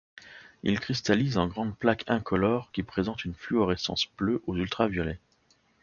Il cristallise en grandes plaques incolores qui présentent une fluorescence bleue aux ultraviolets.